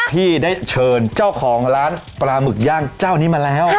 ที่ได้เชิญเจ้าของร้านปลาหมึกย่างเจ้านี้มาแล้ว